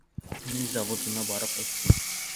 Мин заводына барып әйттем.